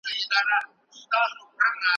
ښايي سبا د نويو کتابونو نندارتون جوړ سي.